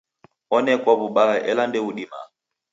Onekwa w'ubaha ela ndeudima.